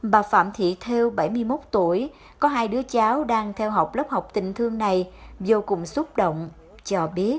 bà phạm thị theo bảy mươi một tuổi có hai đứa cháu đang theo học lớp học tình thương này vô cùng xúc động cho biết